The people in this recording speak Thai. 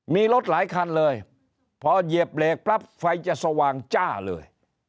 มีรถหลายคันเลยพอเหยียบเบรกปั๊บไฟจะสว่างจ้าเลย